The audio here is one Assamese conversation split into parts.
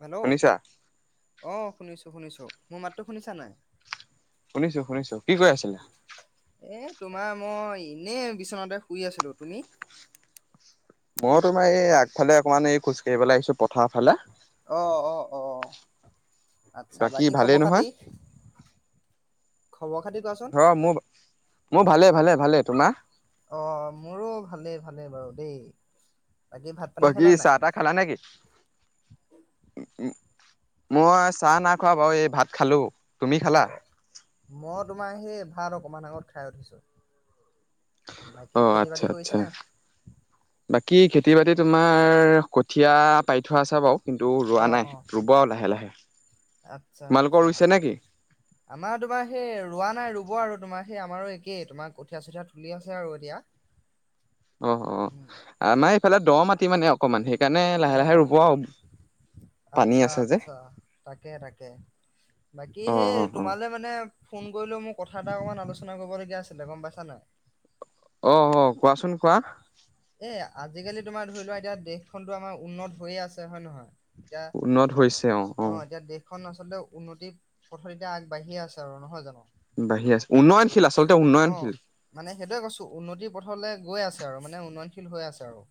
হেল্ল! শুনিছা অ শুনিছোঁ শুনিছোঁ, মোৰ মাতটো শুনিছা নাই? শুনিছো শুনিছো, কি কৈ আছিলে? এ তোমাৰ মই এনে বিচনাতে শুই আছিলো। তুমি? মই তোমাৰ এই আগফালে অকণমান এই খোজকাঢ়িবলৈ আহিছো পথাৰ ফালে। অ-অ-অ আচ্ছা, বাকী ভালেই নহয়। খবৰ-খাতি? খবৰ-খাতি কোৱাচোন? অ মোৰ মোৰ ভালেই ভালে ভালেই। তোমাৰ? অ মোৰো ভালে ভালে বাৰু দেই। বাকী ভাত পানী বাকী খালা নাই? চাহ-তাহ খালা নেকি? মই চাহ নাই খোৱা বাৰু এই ভাত খালোঁ। অ মই তোমাৰ সেই ভাত অকণমান আগত খাই উঠিছোঁ। অ বাকী আচ্ছা খেতি-বাতি আচ্ছা কৰিছেনে? বাকী খেতি-বাতি তোমাৰ কঠীয়া পাৰি থোৱা আছে বাৰু কিন্তু ৰোৱা নাই ৰুব আৰু লাহে লাহে। আৎচ্ছা তোমালোকৰ আৎচ্ছা। ৰুইছে নেকি? আমাৰ তোমাৰ সেই ৰোৱা নাই ৰুব আৰু তোমাৰ সেই আমাৰো একেই তোমাৰ কঠীয়া চঠীয়া তুলি আছে আৰু এতিয়া। অঁহ অঁ আমাৰ এইফালে দ মাটি মানে অকমান সেই- কাণে লাহে লাহে অ ৰুব আও পানী আচ্ছা আছে যে। আচ্ছা তাকে তাকে। বাকী অ অ সেই অ তোমালৈ মানে ফোন কৰিলো মোৰ কথা এটা অকমান আলোচনা কৰিবলগীয়া আছিলে গম পাইছা নাই? [inaudible] অঁ অঁ কোৱাচোন কোৱা। এ আজিকালি তোমাৰ ধৰি লোৱা এতিয়া দেশখনতো আমাৰ উন্নত হৈয়ে আছে হয় নহয়? উন্নত এতিয়া হৈছে অ অ অঁ এতিয়া দেশ- খন আচলতে উন্নতি পথত এতিয়া আগবাঢ়িয়ে আছে আৰু নহয় জানো? বাঢ়ি আছে উন্নয়নশীল এত- আচলতে অ উন্নয়নশীল। মানে সেইটোৱে কৈছো উন্নতি পথলে গৈ আছে আৰু মানে উন্নয়নশীল হৈ আছে আৰু।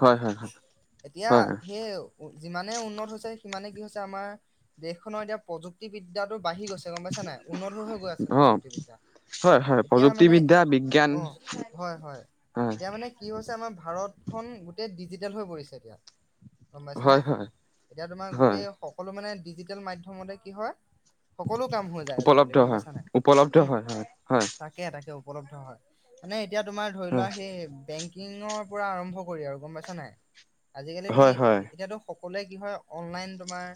হয় হয় হয়। এতিয়া হয় সেই যিমানে উন্নত হৈছে সিমানেই কি হৈছে আমাৰ দেশখনৰ এতিয়া প্ৰযুক- তিবিদ্যাটো বাঢ়ি গৈছে গম পাইছা নাই উন্নত হৈ হৈ গৈ আছে অ প্ৰযুক্তিবিদ্যা। হয় হয় এতিয়া মানে প্ৰযুক্তিবিদ্যা বিজ্ঞান অঁ হয় হয়, হয় এতিয়া মানে- কি হৈছে আমাৰ ভাৰতখন গোটেই ডিজিটেল হৈ পৰিছে এতিয়া। গম পাইছানে? হয় হয় এতিয়া তোমাৰ হয় গোটেই সকলো মানে ডিজিটেল মাধ্যমতে কি হয়? সকলো কাম হৈ যায় আজিকালি উপলব্ধ গম হয় পাইছা নাই? উপলব্ধ উম' হয় হয় হয় তাক- কে তাকে উপলব্ধ হয় মানে এতিয়া তোমাৰ ধৰি লোৱা সেই বেংক- কিঙৰ পৰা আৰম্ভ কৰি আৰু গম পাইছা নাই? আজিকালি হয় তুমি হয় এতিয়াতো সক- কলোৱে কি হয় অনলাইন তোমাৰ-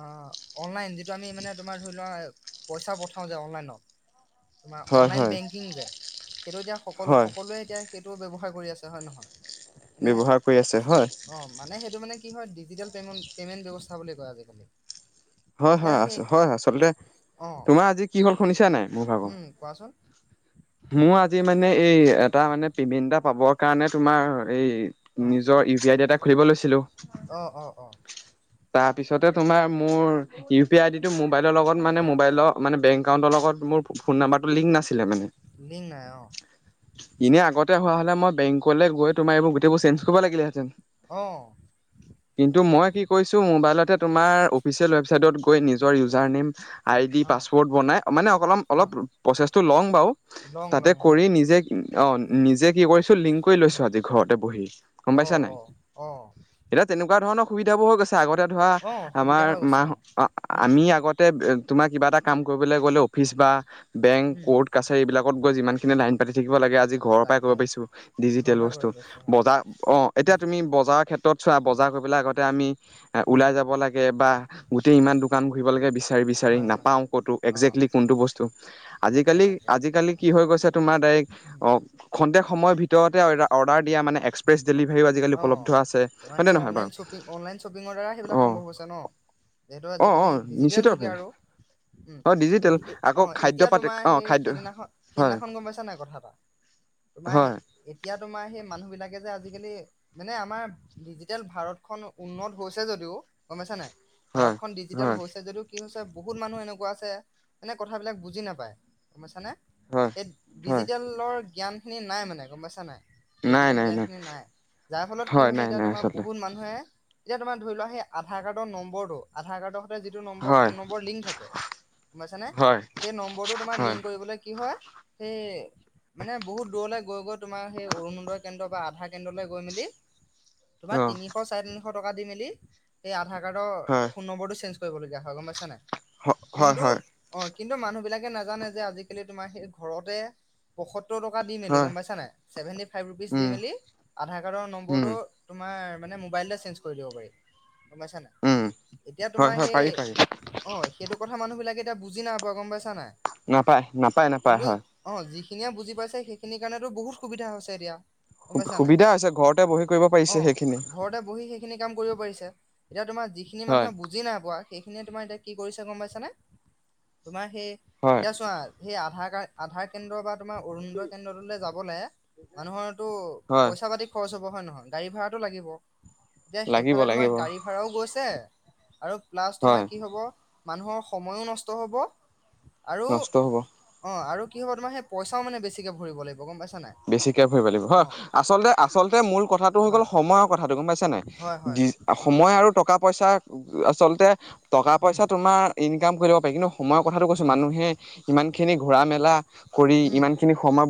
অঁ অনলাইন যিটো আমি মানে তোমাৰ ধৰি লোৱা পইচা পঠাওঁ যে অনলাইনত- তোমাৰ হয় অনলাইন হয় বেংকিং যে সেইটো এতিয়া সকলো হয় সকলোৱে এতিয়া সেইটো ব্যৱহাৰ কৰি আছে হয় নহয়? ব্যৱহাৰ কৰি আছে হয়। অঁ মানে সেইটো মানে কি হয় ডিজিটেল পেমণ্ট পেমেণ্ট ব্যৱস্থা বুলি কয় আজিকালি। হয় এতিয়া হয় আছ সেই হয়, আচলতে অ তোমাৰ আজি কি হ'ল শুনিছা নাই মোৰ ভাগৰ? উম কোৱাচোন? মোৰ আজি মানে এই এটা মানে পেমেণ্ট এটা পাবৰ কাৰণে তোমাৰ এই- অ নিজৰ ইউ পি আই দি এটা খুলিব লৈছিলোঁ। অ অ অ তাৰপিছতে তোমাৰ মোৰ- ইউ পি আই আইডিটো মোবাইলৰ লগত মানে মোবাইলৰ মানে বেংক একাউটৰ লগত মোৰ ফোন নাম্বাৰটো লিংক নাছিলে মানে। লিং নাই অঁ'। ইনেই আগতে হোৱা হ'লে মই বেংকলে গৈ তোমাৰ এইবোৰ গোটেইবোৰ চেঞ্জ কৰিব লাগিলেহেঁতেন। অঁ' কিন্তু, মই কি কৰিছোঁ মোবাইলতে তোমাৰ অফিচিয়েল ৱেবচাইটত গৈ নিজৰ ইউজাৰ নেম- আই ডি অ পাছপৰ্ট বনাই মানে অকলম অ অলপ প্ৰচেছটো লং বাৰু। লং তাতে লং হয় কৰি নিজে অঁ নিজে কি কৰিছোঁ লিংক কৰি লৈছোঁ আজি ঘৰতে বহি। গম অ পাইছা নাই। অ অ' এতিয়া তেনেকুৱা ধৰণৰ সুবিধাবোৰ হৈ গৈছে আগতে ধৰা অ সুবিধা আমাৰ হৈ গৈছে অ মাহ উম আমি আগত- তে তোমাৰ কিবা এটা কাম কৰিবলে গলে অফিচ বা বেংক, উম কৰ্ট-কাছা- এইবিলাকত গৈ যিমানখিনি লাইন পাতি থাকিব লাগে আজি ঘৰৰ পৰাই তাকে কৰিব পাইছো ঘৰৰ ডিজিটেল পৰাই কৰিব বস্তু পাৰিছো হয় বজাৰ- অঁ, এতিয়া উম তুমি বজাৰৰ ক্ষেত্ৰত চোৱা বজাৰ কৰি পেলাই আগতে আমি উম ওলাই যাব লাগ- লাগে বা গোটেই ইমান দোকান ঘুৰিব লাগে বিচাৰি বিচাৰি হয় হয় নাপাও ক'তো অ এক্জেক্টলি কোনটো বস্তু- তাকে আজিকালি, তাকে আজিকালি কি হৈ গৈছে, তোমাৰ ডাইৰেক্ট উম অ'! খন্তেক সময়ৰ ভিতৰতে, অৰ্ডাৰ দিয়া মানে, এক্সপ্ৰেছ ডেলিভাৰীও আজিকালি উপলব্ধ আছে। হয়নে নহয় বাৰু? কি অনলাইন শ্বপিঙৰ দ্বাৰা সেইবিলাক অ সম্ভৱ হৈছে ন'! যিহেতু, অ অ আজিকালি ডিজিটেল যোগে নিশ্চিতভাৱে আৰু। উম, অ ডিজিটেল এ-এ, আকৌ অ'! খাদ্য এতিয়া পাতি তোমাৰ অ সেই, খাদ্য সেইদিনাখন- হয় সেইদিনাখন গম পাইছা নাই, কথা এটা? তোমাৰ, হয় এতিয়া তোমাৰ, সেই মানুহ বিলাকে যে আজিকালি, মানে, আমাৰ ডিজিটেল ভাৰতখন, উন্নত হৈছে যদিও, গম পাইছা নাই? হয় ভাৰতখন ডিজিটেল হয় হৈছে, যদিও কি হৈছে, বহুত মানুহ এনেকুৱা আছে, এনে কথাবিলাক বুজি নাপায়, গম পাইছানে? হয়! হয় ডিজিটেলৰ জ্ঞান খিনি নাই মানে, গম পাইছা নাই? নাই ডিজিটেল নাই জ্ঞান খিনি নাই। যাৰ ফলত কি হয় হৈছে, নাই এতিয়া নাই তোমাৰ আচলতে বহুত মানুহ, ধৰে। এতিয়া তোমাৰ ধৰি লোৱা, সেই আধাৰ কাৰ্ডৰ নম্বৰটো, আধাৰ কাৰ্ডৰ যিটো নম্বৰ, হয় ফোন নম্বৰত লিংক থাকে, গম পাইছানে? হয় সেই, নম্বৰটো তোমাৰ হয় লিংক কৰিবলৈ কি হয়, সেই, মানে বহুত দূৰল গৈ-গৈ তোমাৰ, সেই অৰুণোদয় কেন্দ্ৰ বা আধাৰ কেন্দ্ৰলৈ তোমাৰ অ তিনিশ, চাৰে তিনিশ টকা দি-মেলি, সেই আধাৰ কাৰ্ডৰ, হয় ফোন নম্বৰটো চেঞ্জ কৰিবলগীয়া হয়। গম পাইছা নাই? হয় কিন্তু, হয় অ'! কিন্তু, মানুহ বিলাকে নাজানে যে, আজিকালি তোমাৰ সেই ঘৰতে পয়সত্তৰ টকা দি মেলি, হয় গম পাইছ নাই? ছেভেণ্টি ফাইভ ৰুপিছ উম দি-মেলি আধাৰ কাৰ্ডৰ নম্বৰটো, উম তোমাৰ মানে, মোবাইলটোৱে চেঞ্জ কৰি দিব পাৰি, গম পাইছা উম নাই? এতিয়া, হয় তোমাৰ হয় সেই পাৰি পাৰি অ'! সেইটো কথা মানুহ বিলাকে, এতিয়া বুজি নাই পোৱা। গম পাইছা নাই? নাপায়, নাপায়-নাপায়, কিন্তু হয়। অ'! যিখিনিয়ে বুজি পাইছে, সেইখিনিৰ কাৰণেতো বহুত সুবিধা হৈছে, এতিয়া। গম পাইছা নাই সু-সুবিধা হৈছে, ঘৰত। অ'! ঘৰতে বহি সেইখিনি কাম কৰিব পাৰিছে। এতিয়া, তোমাৰ যিখিনি হয় মানুহে বুজি নাই পোৱা। সেইখিনিয়ে, তোমাৰ এতিয়া কি কৰিছে, গম পাইছানে? তোমাৰ সেই, হয় এতিয়া চোৱা! সেই আধাৰ কাৰ্ড, আধাৰ কেন্দ্ৰ বা তোমাৰ অৰুনোদয় কেন্দ্ৰটোলৈ যাবলৈ, মানুহৰতো হয় পইচা-পাতি খৰচ হ'ব, হয় নহয়? গাড়ী ভাড়াটো লাগিব। এতিয়া, লাগিব সেইফালে তোমাৰ, লাগিব গাড়ী ভাড়াও গৈছে, আৰু প্লাছ তোমাৰ, হয় কি হ'ব, মানুহৰ সময়ো নষ্ট হ'ব। আৰু নষ্ট হ'ব অ'! আৰু কি হ'ব তোমাৰ, সেই পইচাও মানে, বেছিকে ভৰিব লাগিব, গম পাইছা নাই? বেছিকে ভৰিব লাগিব। অ হয়! আচলতে, আচলতে, মূল কথাটো হৈ গ'ল, হয় সময়ৰ কথাটো গম পাইছা নাই? হয় হয় অ সময় আৰু টকা-পইচা আচলতে, উম টকা-পইচা তোমাৰ, ইনকাম কৰি থাকিব পাৰি। কিন্তু, সময়ৰ কথাটো কৈছোঁ! হয় মানুহে, ইমান খিনি ঘূৰা- মেলা কৰি, উম ইমান খিনি সময়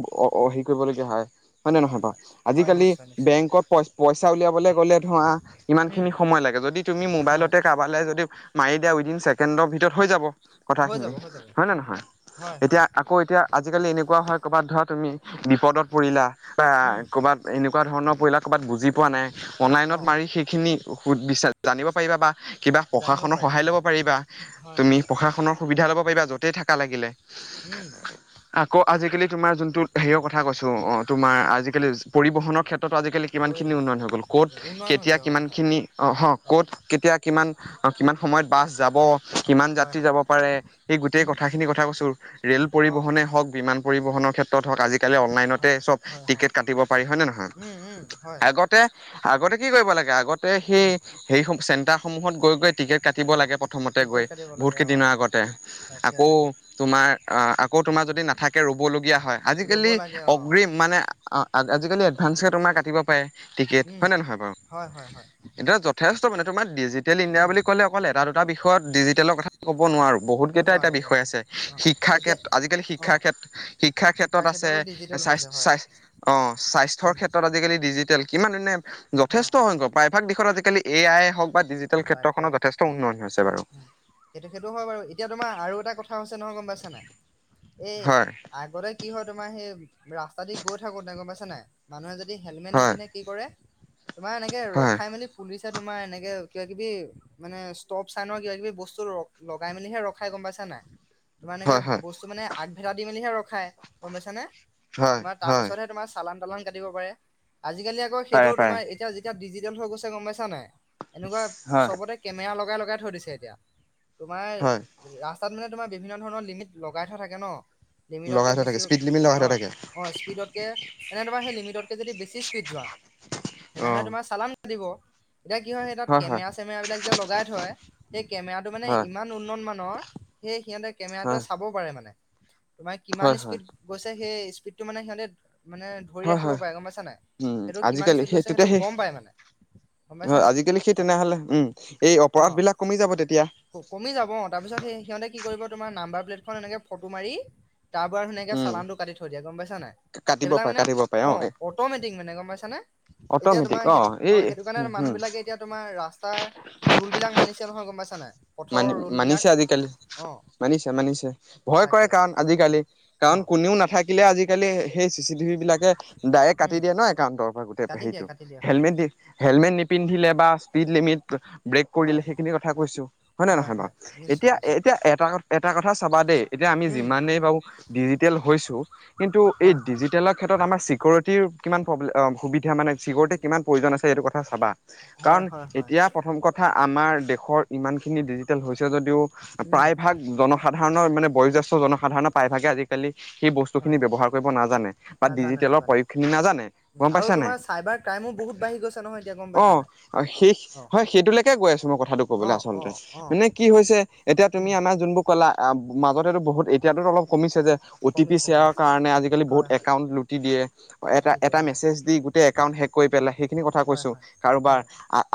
কৰিবলগীয়া হয়। হয় নে নহয় বাৰু? হয় আজিকালি, নিশ্চয় নিশ্চয় বেংকত পই-পইচ উলিয়াবলৈ গ'লে, ধৰা, ইমান উম খিনি সময় লাগে। যদি, তুমি হয় মোবাইলতে কা ক'ৰবালে যদি মাৰি দিয়া, ‌ উইদিন ছেকেণ্ডৰ ভিতৰত হৈ যাব। হৈ কথাখিনি, যাব হৈ যাব হয় নে উম নহয়? হয় হয় এতিয়া, আকৌ এতিয়া, আজিকালি এনেকুৱা হয়, ক'ৰবাত ধৰা তুমি, বিপদত পৰিলা বা উম ক'ৰবাত এনেকুৱা ধৰণৰ, [unintelligible] ক'ৰবাত বুজি পোৱা নাই। অনলাইনত অ মাৰি সেইখিনি সুধ বিচাৰি জানিব পাৰিবা বা কিবা জানিব প্ৰশাসনৰ পাৰিম সহায় ল'ব হয় পাৰিবা। হয় তুমি হয় প্ৰশাসনৰ সুবিধা ল'ব পাৰিবা, য'তেই থাকা লাগিলে। উম। আকৌ আজিকালি তোমাৰ যোনটো হেৰিয়ৰ কথা কৈছো অ তোমাৰ আজিকালি পৰিবহনৰ ক্ষেত্ৰত টো আজিকালি কিমানখিনি পৰিবহন উন্নয়ন হৈ হয় গ'ল ক'ত উন্নয়ন কেতিয়া হৈছে হয় হয় কিমানখিনি অ হ ক'ত কেতিয়া কিমান অ কিমান সময়ত বাছ যাব, কিমান হয় যাত্ৰী যাব হয় পাৰে এই গোটেই উম কথাখিনি কথা কৈছো। ৰেল অ পৰিবহনে হওক বিমান পৰিবহনৰ ক্ষে ত্ৰত হওঁক, আজিকালি অনলাইনতে হয় চব হয় হয় টিকেট কাটিব পাৰি হয় নে নহয়? উম উম হয় আগতে আগতে কি কৰিব লাগে আগতে সেই উম সেই চেণ্টাৰ সমূহত গৈ গৈ টিকেট কাটিব লাগে প্ৰথমতে গৈ টিকেট কাটিব বহুত লাগে অ কেইদিনৰ আগতে। তাকে আকৌ তাকে তোমাৰ আহ আকৌ তোমাৰ যদি নাথাকে ৰুব লগীয়া হয় ৰ'ব আজিকালি লাগে অ অগ্ৰিম মানে আজিকালি এদভানস্টয়ে তোমাৰ কাটিব পাৰে টিকেট। উম হয় নে নহয় বাৰু? হয় হয় হয় এতিয়া যথেষ্ট মানে তোমাৰ ডিজিটেল ইণ্ডিয়া উম বুলি ক'লে অকল এটা দুটা বিষয়ত ডিজিটেলৰ কথা ক'ব নোৱাৰো বহুত কেইটা এটা নোৱাৰে বিষয় নোৱাৰে আছে, অ শিক্ষাৰ এতিয়া ক্ষেত্ৰ আজিকালি অ শিক্ষাৰ ক্ষেত্ৰ শিক্ষাৰ ক্ষেত্ৰ ত আছে ক্ষেত্ৰতো ডিজিটেল হৈছে স্বাস্থ্য হয় স্বাস্থ্যৰ অ স্বাস্থ্যৰ উম ক্ষেত্ৰত আজিকালি ডিজিটেল কিমান ধুনীয়া অ যথেষ্ট সংখ্যক প্ৰায়ভাগ দিশত আজিকালি এ আই হওক বা ডিজিটেল তাকে ক্ষেত্ৰখনত যথেষ্ট উন্নয়ন হৈছে বাৰু। উম সেইটো সেইটো হয় বাৰু এতিয়া তোমাৰ আৰু এটা কথা হৈছে নহয় গম পাইছা নাই? এই হয় আগতে কি হয় তোমাৰ সেই ৰাস্তা দি গৈ থাকোতে গম পাইছে নাই মানুহে যদি হেলমেট হয় নিপিন্ধে কি কৰে তোমাৰ এনেকে হয় ৰখাই মেলি পুলিছে তোমাৰ এনেকে কিবা কিবি মানে ষ্টভ চাই ন কিবা কিবি বস্তু ৰ লগাই মেলিহে ৰখাই গম পাইছা নাই? তোমাৰ এনেকে হয় হয় বস্তু মানে আগভেটা দি মেলিহে ৰখায় গম পাইছা নে হয় তোমাৰ হয় তাৰপিছতহে তোমাৰ চালান তালান কাটিব পাৰে। আজিকালি আকৌ পাৰে সেইটো পাৰে তোমাৰ এতিয়া যেতিয়া ডিজিটেল হৈ গৈছে গম পাইছা নাই এনেকুৱা হয় চবতে কেমেৰা লগাই লগাই থৈ দিছে এতিয়া। হয় তোমাৰ ৰাস্তাত মানে তোমাৰ বিভিন্ন ধৰণৰ লিমিট লগাই থোৱা থাকে ন। লগাই লিমিটতকৈ থোৱা থাকে বেছি স্পীড লিমিট লগাই হৈ থোৱা থাকে অঁ অঁ স্পীডতকৈ এনেদবা সেই লিমিটতকৈ যদি বেছি স্পীড যোৱা অ তেনেহলে তোমাৰ চালান কাটিব। এতিয়া কি হয় সেই তাত কেমেৰা চেমেৰা বিলাক যে লগাই থয়। সেই কেমেৰাটো মানে হয় ইমান উন্নত মানৰ সেই সিহঁতে কেমেৰাটোৱে চাব পাৰে মানে। তোমাৰ হয় কিমান হয় হয় স্পীড গৈছে সেই স্পীডটো মানে সিহঁতে মানে ধৰি হয় ৰাখিব হয় পাৰে গম পাইছা নাই উম সেইটো কিমান আজিকালি স্পীত গৈছে সেইটো গম পাই মানে। গম পাইছা হয় নাই। আজিকালি সেই তেনেহ'লে উম এই অ অপৰাধ অ বিলাক কমি যাব তেতিয়া। কমি যাব অঁ তাৰপিছত সেই সিহঁতে কি কৰিব তোমাৰ নাম্বাৰ প্লেটখন এনেকে ফটো মাৰি তাৰপৰা ধুনীয়াকে উম চালানটো কাটি থৈ দিয়ে গম পাইছা নাই? কাটিব এইবিলাক পাৰে মানে কাটিব পাৰে অ অটমেটিক মানে গম পাইছ নে, এতিয়া অটমেটিক তোমাৰ সেইটো এই অ সেইটো কাৰণে উ মানুহ বিলাকে এতিয়া তোমাৰ ৰাস্তাৰ ৰোল বিলাক মানিছে নহয় গম পাইছা নাই? পথৰ মানি ৰুল বিলাক মানিছে আজিকালি অ মানিছে মানিছে, ভয় কৰে তাকে কাৰণ আজিকালি। অ কাৰণ কোনেও নাথাকিলে আজিকালি সেই চি চিটিভি বিলাকে ডাইৰেক্ট কাটি উম দিয়ে ন একাউণ্টক। গোটেই কাটি দিয়ে হেৰিটো কাটি দিয়ে হয় হেলমেট দি হেলমেট নিপিন্ধিলে বা স্পীড লিমিট ব্ৰেক হয় কৰিলে সেইখিনি কথা কৈছো। হয় না নহয় বাৰু, এতিয়া এতিয়া এটা এটা কথা চাবা দেই। এতিয়া আমি উম যিমানেই বাৰু ডিজিটেল হৈছোঁ, কিন্তু এই হয় হয় ডিজিটেলৰ ক্ষেত্ৰত আমাৰ চিকিউ ৰিটী কিমান প্ৰেব্লেম সুবিধা মানে ছিকিউৰিটী কিমান প্ৰয়োজন আছে সেইটো কথা চাবা। হয় কাৰণ হয় হয় এতিয়া প্ৰথম কথা আমাৰ দেশৰ ইমান খিনি ডিজিটেল হৈছে যদিও, উম প্ৰায় ভাগ জনসাধাৰণৰ মানে বয়োজ্যেষ্ঠ জনসাধাৰণৰ প্ৰায়ভাগে আজি কালি সেই বস্তু খিনি হয় ব্যৱহাৰ কৰিব নাজানে বা নাজানে ডিজিটেলৰ নাজানে প্ৰয়োগ খিনি নাজানে। উম, গম আৰু পাইছা নাই? তোমাৰ চাইবাৰ ক্ৰাইমো বহুত বাঢ়ি গৈছে নহয় এতিয়া গম অ পাইছা নাই সেই অ হয় সেইটোলৈকে কৈ আছো মই কথাটো। অ ক'বলৈ অ আচলতে। অ মানে কি হৈছে এতিয়া তুমি উম আমাৰ যোনবোৰ কলা মাজতে বহুত এতিয়াতো অলপ কমিছে যে অ'টি পি কমিছে শ্বেয়াৰ কমিছে কাৰণে আজিকালি বহুত হয় হয় একাউণ্ট লুটি দিয়ে। এটা উঠি দিয়ে এটা হয় মেছেজ দি গোটেই একাউট হেক কৰি পেলাই সেইখিনি কথা হয় কৈছো হয় কাৰোবাৰ হয়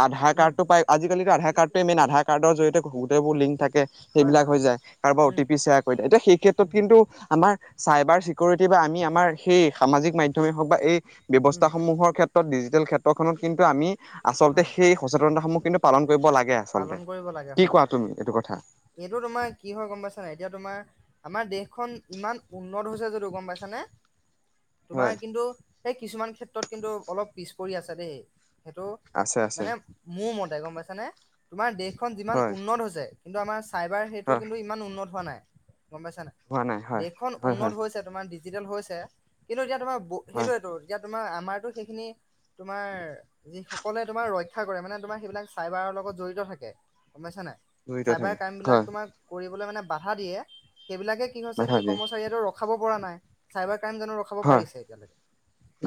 আধাৰ উম কাৰ্ড টো পাই আজিকালিতো আধাৰ কাৰ্ডটোৱে মেইন আধাৰ কাৰ্ডৰ জৰিয়তে বহু গোটেই বোৰ লিংক থাকে হয় সেইবিলাক হয় হৈ হয় যায় কাৰোবাৰ O T um P share কৰি এতিয়া সেই ক্ষেত্ৰত উম কিন্তু আমাৰ চাইবাৰ চিকিউৰিটি বা আমি আমাৰ সেই সামাজিক মাধ্যমে হওক বা এই ব্যয়ৱস্থা উম সমূহৰ ক্ষেত্ৰত ডিজিটেল ক্ষেত্ৰখনত কিন্তু আমি আচলতে হয় সেই সচেতনসমূহ কিন্তু পালন কৰিব লাগে আচলতে। পালন কৰিব লাগে কি হয় কোৱা হয় তুমি কথা? এইটো তোমাৰ কি হয় গম পাইছানে এতিয়া তোমাৰ আমাৰ দেশখন ইমান উন্নত হৈছে যদি গম পাইছানে হয়, তোমাৰ কিন্তু সেই কিছুমান ক্ষেত্ৰত কিন্তু অলপ পিছ পৰি আছে দেই সেইটো আছে আছে মানে মোৰ মতে গম পাইছানে তোমাৰ দেশখন যিমান হয় উন্নত হৈছে কিন্তু আমাৰ চাইবাৰ সেইটো হয় কিন্তু ইমান উন্নত হোৱা নাই গম পাইছেনে হোৱা নাই হয়। দেশখন হয় উন্নত হয় হৈছে তোমাৰ ডিজিটেল হৈছে কিন্তু এতিয়া তোমাৰ হয় সেইটোৱেটো এতিয়া তোমাৰ আমাৰতো সেইখিনি তোমাৰ যি সকলে তোমাৰ ৰক্ষা কৰে মানে তোমাৰ সেইবিলাক চাইবাৰৰ লগত জড়িত থাকে গম পাইছানে জড়িত চাইবাৰ থাকে ক্ৰাইমবিলাক হয় তোমাৰ। কৰিবলৈ মানে বাধা দিয়ে সেইবিলাকে কি হৈছে সেই নাথাকে কৰ্মচাৰীয়েটো ৰ খাব পৰা নাই চাইবাৰ ক্ৰাইম জানো ৰ [unintelligible] তোমাৰ হয় সেনেকে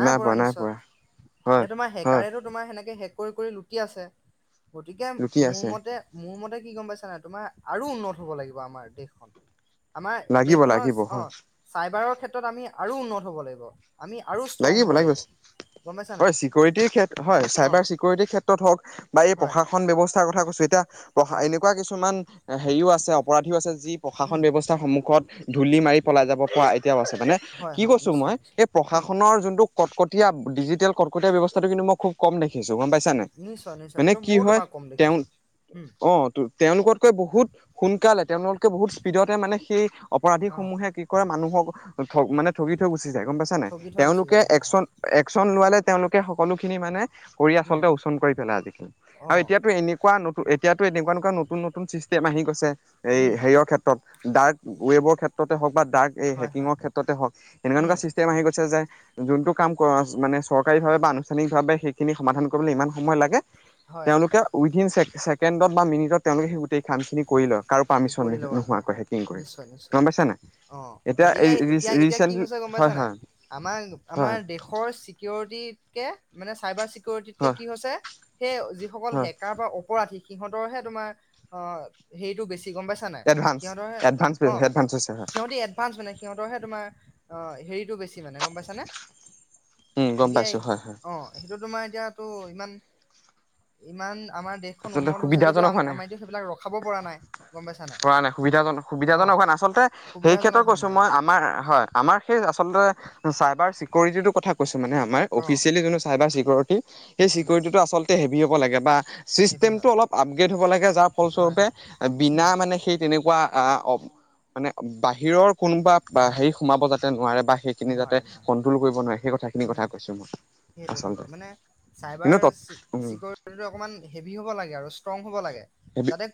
নাই পোৱা নাই পোৱা হয়। হয় শেষ কৰি কৰি লুটি আছে গতিকে লুটি মোৰ আছে মতে মোৰ মতে কি গম পাইছা নাই তোমাৰ আৰু উন্নত হ'ব লাগিব আমাৰ দেশখন আমাৰ লাগিব দেশখনৰ লাগিব অ হয় চাইবাৰৰ ক্ষেত্ৰত আমি আৰু উন্নত হ'ব লাগিব আমি আৰু ষ্ট্ৰং হ'ব লাগিব গম পাইছা নাই হয় চিকিউৰিটিৰ ক্ষেত্ৰত হয় অ চাইবাৰ চিকিউৰিটিৰ ক্ষেত্ৰত হওক বা এই হয় পঢ়া প্ৰকাশন ব্যৱস্থাৰ কথা কৈছো এতিয়া প্ৰকাশন হয় এনেকুৱা কিছুমান হেৰিও আছে অপৰাধীও আছে যি উম প্ৰশাসন ব্যৱস্থাৰ সন্মুখত ধূলি মাৰি পলাই যাব পৰা এতিয়াও আছে মানে হয় কি হয় কৈছো নিশ্চয় মই নিশ্চয় এই উম প্ৰশাসনৰ যোনটো কটকটীয়া ডিজিটেল কটকটীয়া ব্যৱস্থাটো কিন্তু মই খুব কম দেখিছো গম পাইছা নে নিশ্চয় নিশ্চয় মানে সেইটো কি ময়ো হয় তোমাক কম তেওঁ দেখিছো উম অ তেওঁলোকতকৈ বহুত সোনকালে তেওঁলোককে বহুত স্পীডতে মানে সেই অ অপৰাধীসমূহে কৰা মানুহক ঠগ মানে ঠগি থৈ গুচি যায় গম পাইছা নাই ঠগি থৈ গুচি তেওঁলোকে যায় হয় একচন হয় একচন লোৱালে তেওঁলোকে সকলোখিনি মানে কৰি উম আচলতে ওচন কৰি পেলাই আজি খালি অ আৰু এতিয়াতো এনে কুৱা নতু এতিয়াতো এনেকুৱা একুৱা নু নতুন চিষ্টেম আহি গৈছে এই উম হেৰিৰ ক্ষেত্ৰত ডাৰ্ক ৱেবৰ ক্ষেত্ৰতে হওক বা ডাৰ্ক এই হয় হেকিং হয় ক্ষেত্ৰ হওক এনেকুৱা একুৱা উম চিষ্টেম আহি গৈছে যে যোনটো কাম মানে চৰকাৰী ভাৱে বা আনুষ্ঠানিকভাৱে সেইখিনি সমাধান কৰিবলৈ ইমান সময় লাগে হয় তেওঁলোকে উইদিন ছেকেণ্ডত বা মিনিটত তেওঁলোকে সেই গোটেই কাম খিনি কৰি লয় কাৰো পাৰ্মিশন কৰি ল'ব হয় নোহোৱাকৈ হয় হেকিং কৰি নিশ্চয় নিশ্চয় গম পাইছা নাই অ এতিয়া গতিকে এতিয়া এতিয়া কি ৰিচেণ্টলি হৈছে গম পাইছা হয় নাই হয় আমাৰ আমাৰ হয় দেশৰ চিকিউৰিটি কে মানে চাইবাৰ [unintelligible] কে হয় কি হৈছে সেই যিসকল হয় শে কাৰবাৰ অপৰাধী সিহঁতৰে হে তোমাৰ হেৰিটো বেছি গম পাইছা এডভান্স এডভান্স এডভান্স হৈছে হয় [unintelligible] পাঁচ মানে সিহঁতৰহে তোমাৰ অ হেৰিতটো বেছি মানে গম পাইছানে উম গম গতিকে পাইছো হয় হয় অ সেইটো তোমাৰ এতিয়াতটো ইমান ইমান আমাৰ দেশখন আচলতে উন্নত হৈছে যদিও সুবিধাজনক আম এতিও সেইবিলাক ৰখাব পৰা নাই গম পাইছা কৰা নাই সুবিধাজন অ সুবিধাজনক হোৱা নাই আচলতে সেই সুবিধাজনক ক্ষেত্ৰত হোৱা কৈছো নাই অ মই আমাৰ হয় আমাৰ সেই আচলতে চাইবাৰ চিকিউৰিটিটোৰ কথা কৈছো মানে আমাৰ অ উম অফিচিয়েলি যোনটো চাইবাৰ চিকিউৰিটি সেই চিকিউৰিটিটো আচলতে হেভি হ'ব লাগে বা হেভি হয় চিষ্টেমটো অলপ আপগ্ৰেড হ'ব লগে যাৰ হয় ফলস্বৰূপে হয় বিনা উম, মানে সেই তেনেকুৱা আহ অ মানে বাহিৰৰ কোনোবা বা হয় সেই সোমাব যাতে নোৱাৰে বা সেইখিনি নোৱাৰে যাতে নোৱাৰে কন্ট্ৰল কৰিব নোৱাৰে সেই কথাখিনি উম কথা কৈছো মই। সেইটোৱে সেইটে আচলতে মানে কিন্তু চাইবাৰ তত উম চি-চিকৰি অকমান হেভী হ'ব লগে আৰু ষ্ট্ৰং হ'ব লগে যাতে